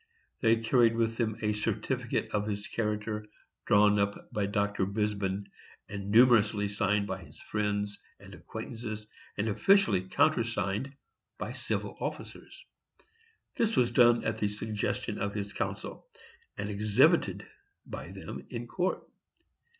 They carried with them a certificate of his character, drawn up by Dr. Brisbane, and numerously signed by his friends and acquaintances, and officially countersigned by civil officers. This was done at the suggestion of his counsel, and exhibited by them in court.